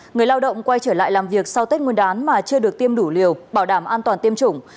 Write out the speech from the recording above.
người lao động quay trở lại làm việc sau tết nguyên đán mà chưa được tiêm đủ liều bảo đảm an toàn tiêm chủng